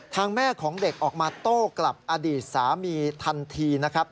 แม่ของเด็กออกมาโต้กลับอดีตสามีทันทีนะครับ